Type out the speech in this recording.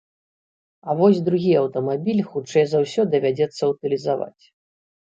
А вось другі аўтамабіль, хутчэй за ўсё, давядзецца ўтылізаваць.